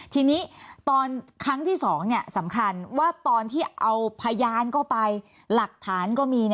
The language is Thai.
ทีนี้ตอนครั้งที่๒สำคัญว่าตอนที่เอาพยานก็ไปหลักฐานก็มี